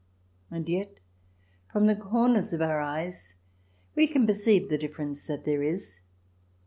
And yet from the corners of our eyes we can per ceive the difference that there is.